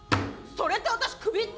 それって私クビってこと？